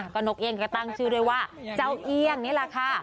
ก็นกเอี่ยงก็ตั้งชื่อด้วยว่าเจ้าเอี่ยงนี่แหละค่ะ